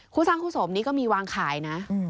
คู่สร้างคู่สมนี้ก็มีวางขายนะ